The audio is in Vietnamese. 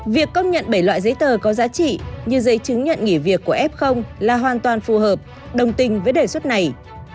việc công nhận bảy loại giấy tờ có giá trị như giấy chứng nhận nghỉ việc của f là hoàn toàn phù hợp đồng tình với đề xuất này